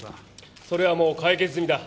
それはもう解決済みだ。